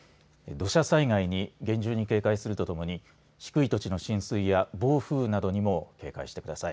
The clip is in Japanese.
土砂災害に厳重に警戒するとともに低い土地の浸水や暴風雨などにも警戒してください。